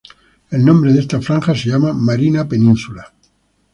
El nombre de esta franja se llama Marina Peninsula.